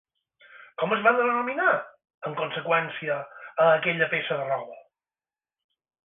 Com es va denominar, en conseqüència, a aquella peça de roba?